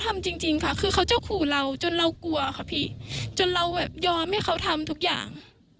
เรากลัวค่ะพี่จนเรายอมให้เขาทำทุกอย่าง